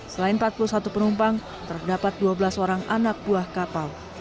selain empat puluh satu penumpang terdapat dua belas orang anak buah kapal